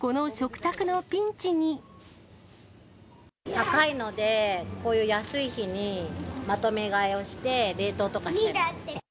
高いので、こういう安い日にまとめ買いをして、冷凍とかしちゃいます。